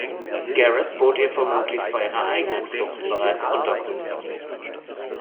Garrett bot ihr vermutlich bei ihrer eigenen Flucht bereits Unterkunft.